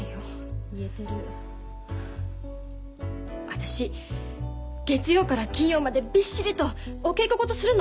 私月曜から金曜までびっしりとお稽古事するの。